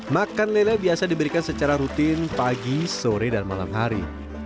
makan lele biasa diberikan secara rutin pagi sore dan malam hari